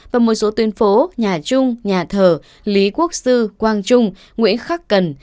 và một số tuyên phố nhà trung nhà thở lý quốc sư quang trung nguyễn khắc cần